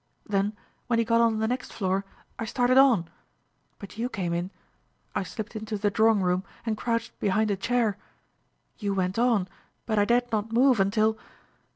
Then, when he got on the next floor, I started on; but you came in. I slipped into the drawing room and crouched behind a chair. You went on, but I dared not move until